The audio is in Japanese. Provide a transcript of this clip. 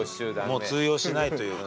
もう通用しないというか。